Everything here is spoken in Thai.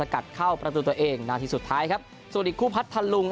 กัดเข้าประตูตัวเองนาทีสุดท้ายครับซูลิคคู่พัฒน์ทำลุง